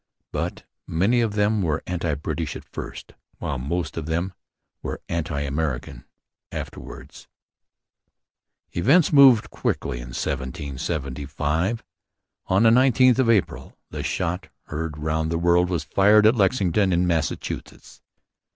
But many of them were anti British at first, while most of them were anti American afterwards. Events moved quickly in 1775. On the 19th of April the 'shot heard round the world' was fired at Lexington in Massachusetts.